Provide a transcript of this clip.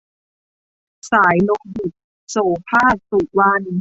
สายโลหิต - โสภาค สุวรรณ